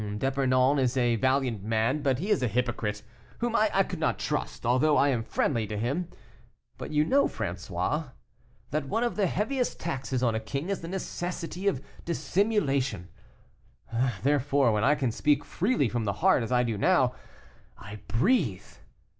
D'Epernon is a valiant man, but he is a hypocrite, whom I could not trust, although I am friendly to him. But you know, François, that one of the heaviest taxes on a king is the necessity of dissimulation; therefore, when I can speak freely from my heart, as I do now, I breathe.